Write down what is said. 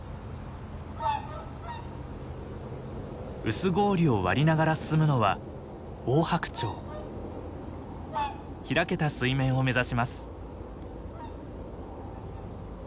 薄氷を割りながら進むのは開けた水面を目指します。